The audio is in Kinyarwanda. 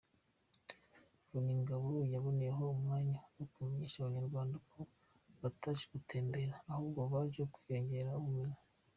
Vuningabo yaboneyeho umwanya wo kumenyesha Abanyarwanda ko bataje gutembera ahubwo baje kwiyongera ubumenyi.